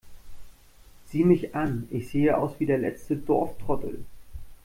Sieh mich an, ich sehe aus wie der letzte Dorftrottel!